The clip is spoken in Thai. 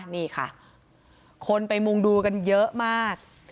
นี่ค่ะคนไปมุงดูกันเยอะมาก